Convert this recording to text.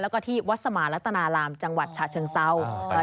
แล้วก็ที่วัดสมารัตนารามจังหวัดฉะเชิงเศร้า